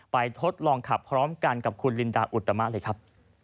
ทดลองขับพร้อมกันกับคุณลินดาอุตมะเลยครับ